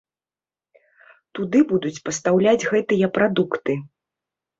Туды будуць пастаўляць гэтыя прадукты.